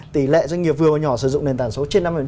tỷ lệ doanh nghiệp vừa vào nhỏ sử dụng nền tảng số trên năm